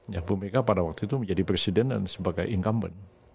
ya bu mega pada waktu itu menjadi presiden dan sebagai incumbent